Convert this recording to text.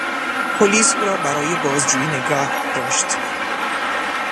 پلیس او را برای بازجویی نگهداشت.